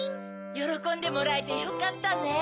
よろこんでもらえてよかったね。